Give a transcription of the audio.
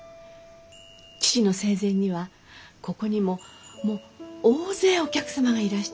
父の生前にはここにももう大勢お客様がいらして。